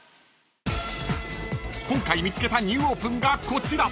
［今回見つけたニューオープンがこちら］